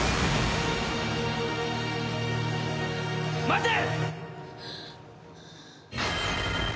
待て！